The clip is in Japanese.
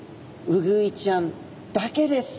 ウグイちゃんだけです。